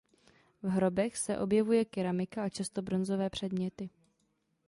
V hrobech se objevuje keramika a často bronzové předměty.